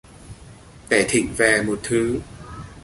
Để thỉnh về một thứ